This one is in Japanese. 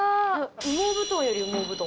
羽毛布団より羽毛布団。